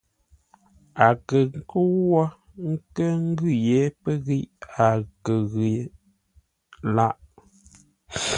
A kə kə́u wó nkə́ ngʉ̂ yé pə́ ghíʼ a kə ghʉ lâʼ.